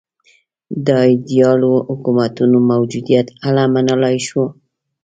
د ایدیالو حکومتونو موجودیت هله منلای شو.